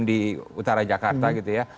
di utara jakarta